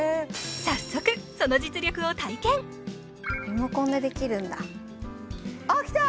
早速その実力を体験リモコンでできるんだあっきた！